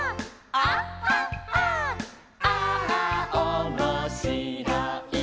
「ああおもしろい」